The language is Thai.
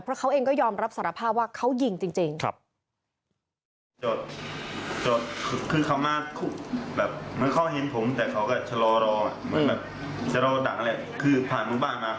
เพราะเขาเองก็ยอมรับสารภาพว่าเขายิงจริง